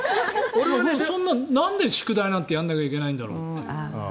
なんで宿題なんかやらなきゃいけないんだろうって。